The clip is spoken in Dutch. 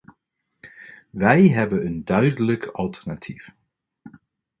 Wij hebben een duidelijk alternatief.